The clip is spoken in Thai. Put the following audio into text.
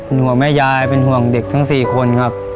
ห่วงแม่ยายเป็นห่วงเด็กทั้ง๔คนครับ